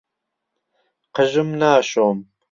قژم ناشۆم.